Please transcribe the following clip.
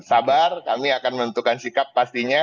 sabar kami akan menentukan sikap pastinya